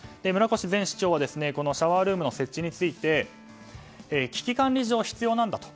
越前市長はシャワールームの設置について危機管理上必要なんだと。